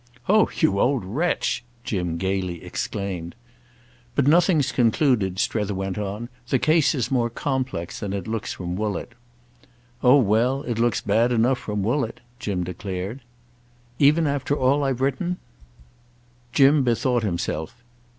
"Oh you old wretch!" Jim gaily exclaimed. "But nothing's concluded," Strether went on. "The case is more complex than it looks from Woollett." "Oh well, it looks bad enough from Woollett!" Jim declared. "Even after all I've written?" Jim bethought himself.